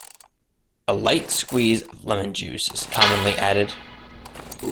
A light squeeze of lemon juice is commonly added.